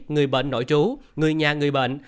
người bệnh nội trú người nhà người bệnh